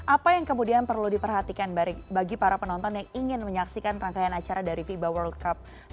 apa yang kemudian perlu diperhatikan bagi para penonton yang ingin menyaksikan rangkaian acara dari fiba world cup dua ribu dua puluh